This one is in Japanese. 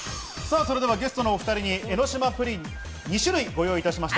それではゲストのお２人に江の島プリン２種類ご用意しました。